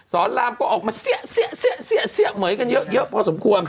สอนรามก็ออกมาเสี๊ะเสี๊ะหมื่นกันเยอะพอสมควร